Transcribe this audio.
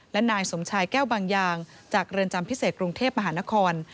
และนายสมชายแก้วบางอย่างจากเรือนจำพิเศษกรุงเทพมหานคร